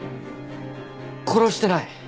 殺してない。